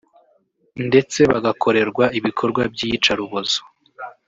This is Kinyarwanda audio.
ndetse bagakorerwa ibikorwa by’iyicarubozo